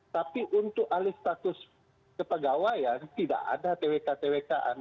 tapi untuk alih status kepegawaian tidak ada twk twkan